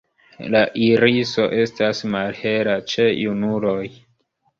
La iriso estas malhela ĉe junuloj.